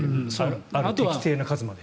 ある適正な数まで。